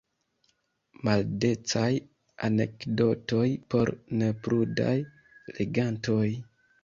Maldecaj anekdotoj por neprudaj legantoj.